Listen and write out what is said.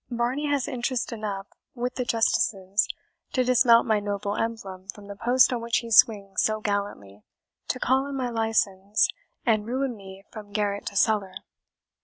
Varney has interest enough with the justices to dismount my noble emblem from the post on which he swings so gallantly, to call in my license, and ruin me from garret to cellar."